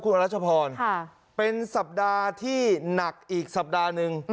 คุณรัชพรเป็นสัปดาห์ที่หนักอีกสัปดาห์หนึ่ง